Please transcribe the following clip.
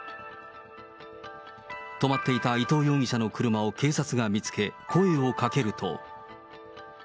止まっていた伊藤容疑者の車を警察が見つけ、声をかけると。